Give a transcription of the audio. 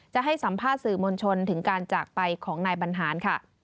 จะให้สัมภาษณ์สื่อมวลชนถึงการจากไปของนายบรรหารค่ะ